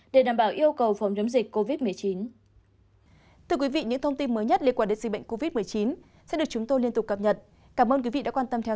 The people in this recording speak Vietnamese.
để đảm bảo yêu cầu phòng chống dịch covid một mươi chín